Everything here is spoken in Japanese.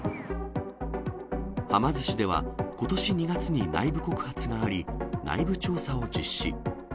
はま寿司では、ことし２月に内部告発があり、内部調査を実施。